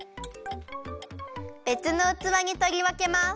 べつのうつわにとりわけます。